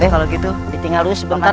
kalau gitu ditinggal dulu sebentar ya